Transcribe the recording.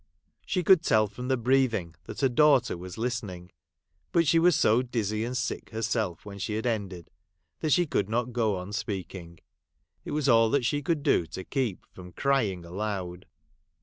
She could tell from the breathing that her daughter was listening ; but she was so dizzy and sick herself when she had ended, that she could not go on speaking. It was all she could do to keep from crying aloud.